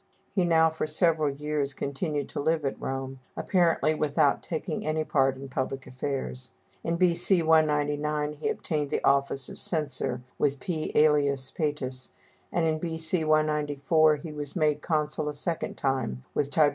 He now for several years continued to live at Rome, apparently without taking any part in public affairs. In B.C. 199 he obtained the office of censor with P. Ælius Pætus, and in B.C. 194 he was made consul a second time with Tib.